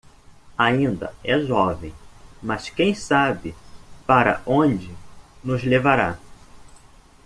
Ainda é jovem, mas quem sabe para onde nos levará.